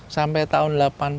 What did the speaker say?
sampai tahun delapan puluh